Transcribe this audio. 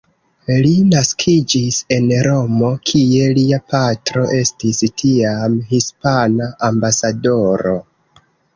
Li naskiĝis en Romo, kie lia patro estis tiam hispana ambasadoro.